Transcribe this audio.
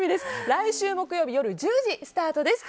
来週木曜日夜１０時スタートです。